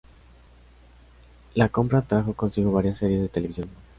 La compra trajo consigo varias series de televisión..